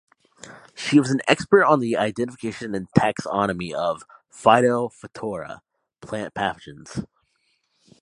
She was an expert on the identification and taxonomy of "Phytophthora" plant pathogens.